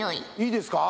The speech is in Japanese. いいですか？